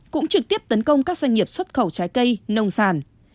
cũng trực tiếp tấn công các doanh nghiệp xuất khẩu trái cây nông sản